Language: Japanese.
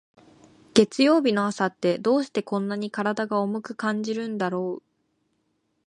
月曜日の朝って、どうしてこんなに体が重く感じるんだろう。